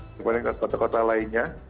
dibandingkan kota kota lainnya